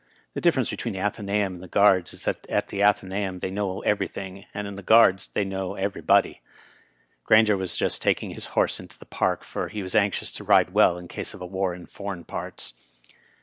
The difference between the Athenaeum and the Guards is, that at the Athenaeum they know everything, and in the Guards they know everybody. Grainger was just taking his horse into the Park, for he was anxious to ride well in case of a war in foreign parts.